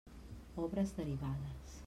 Obres derivades.